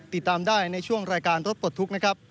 ติดตามได้ในช่วงรายการรถปลดทุก